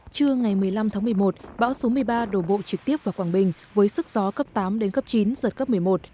trưa ngày một mươi năm tháng một mươi một bão số một mươi ba đổ bộ trực tiếp vào quảng bình với sức gió cấp tám đến cấp chín giật cấp một mươi một